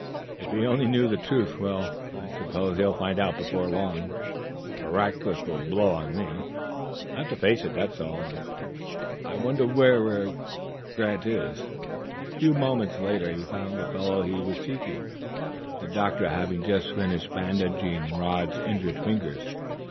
"If he only knew the truth! Well, I suppose he'll find out before long, for Rackliff will blow on me. I'll have to face it, that's all. I wonder wh where Grant is." A few moments later he found the fellow he was seeking, the doctor having just finished bandaging Rod's injured fingers.